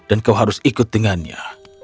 dan kau harus ikut dengannya